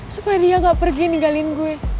supaya dia gak pergi ninggalin gue